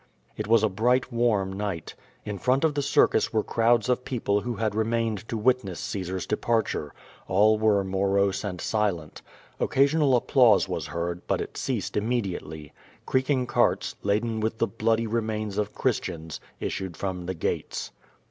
It was a bright, warm night. In front of the circus were crowds of people who had remained to witness Caesar's de parture. All were morose and silent. Occasional applause was heard, but it ceased immediately. Creaking carts, laden with the bloody remains of Christians, issued from the gates.